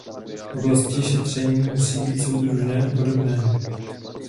Oblasti šetření musí být soudržné a podobné.